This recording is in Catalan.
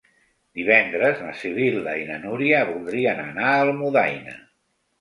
Divendres na Sibil·la i na Núria voldrien anar a Almudaina.